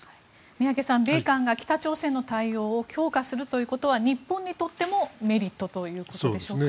宮家さん米韓が北朝鮮の対応を強化するということは日本にとってもメリットということでしょうか。